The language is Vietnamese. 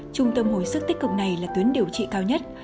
trung tâm hồi sức tích cực này là tuyến điều trị cao nhất